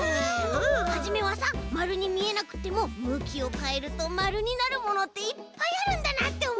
はじめはさまるにみえなくってもむきをかえるとまるになるものっていっぱいあるんだなっておもったんだよ！